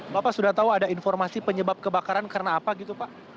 bapak sudah tahu ada informasi penyebab kebakaran karena apa gitu pak